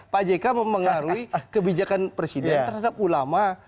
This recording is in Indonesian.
pak jk mempengaruhi kebijakan presiden terhadap ulama